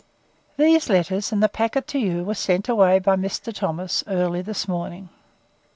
These letters, and the packet to you, were sent away by Mr. Thomas early this morning.